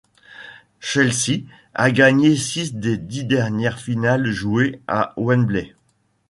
Chelsea a gagné six des dix dernières finales jouées à Wembley.